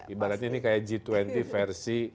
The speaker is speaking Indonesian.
ibaratnya ini kayak g dua puluh versi